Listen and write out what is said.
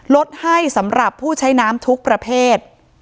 ลดให้สำหรับผู้ใช้น้ำทุกประเภท